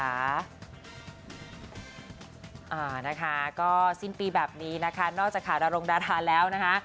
อ่านะคะก็สิ้นปีแบบนี้นะคะนอกจากขาดารงดาธาแล้วนะคะ